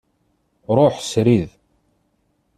Ruḥ srid.